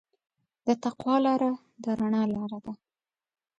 د تقوی لاره د رڼا لاره ده.